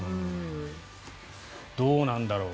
どうなんだろう